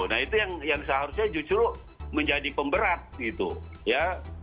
nah itu yang seharusnya justru menjadi pemberat gitu ya